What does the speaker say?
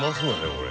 これ。